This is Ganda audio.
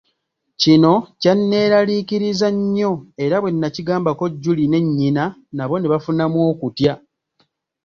Kino kyanneraliikiriza nnyo era bwe nakigambako Julie ne nnyina nabo ne bafunamu okutya.